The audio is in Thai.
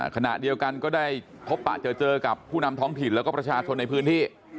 ขณะเดียวกันก็ได้พบปะเจอกับผู้นำท้องถิ่นแล้วก็ประชาชนในพื้นที่